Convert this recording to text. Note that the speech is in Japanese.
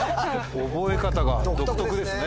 覚え方が独特ですね。